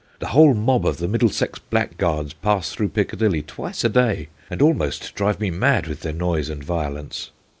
The whole mob of the Middlesex blackguards pass through Piccadilly twice a day, and almost drive me mad with their noise and violence.'